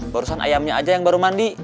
barusan ayamnya aja yang baru mandi